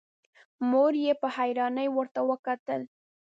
مور يې په حيرانی ورته وکتل.